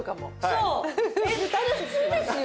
あれ普通ですよ。